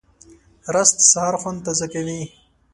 رس د سهار خوند تازه کوي